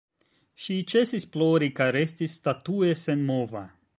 Ŝi ĉesis plori, kaj restis statue senmova.